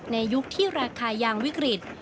ยุคที่ราคายางวิกฤต